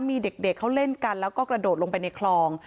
มีเด็กเขาเล่นกันแล้วก็กระโดดลงไปในคลอง